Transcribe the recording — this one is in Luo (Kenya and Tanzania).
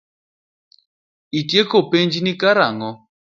Itieko penjni karang'o?